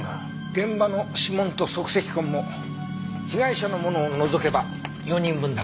現場の指紋と足跡痕も被害者のものを除けば４人分だったよ。